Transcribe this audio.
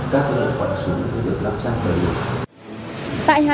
các loại súng